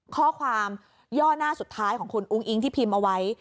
ข้อความย่อหน้าสุดท้ายของคุณอุ้งอิ๊งที่พิมพ์เอาไว้